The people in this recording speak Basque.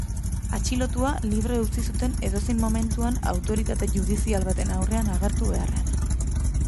Atxilotua libre utzi zuten edozein momentuan autoritate judizial baten aurrean agertu beharrean.